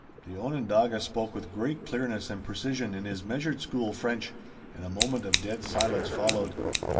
The Onondaga spoke with great clearness and precision in his measured school French and a moment of dead silence followed.